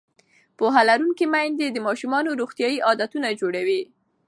پوهه لرونکې میندې د ماشومانو روغتیایي عادتونه جوړوي.